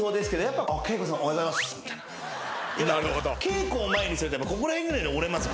「恵子」を前にするとここら辺ぐらい折れます。